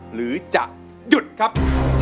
หรือจะหยุดครับ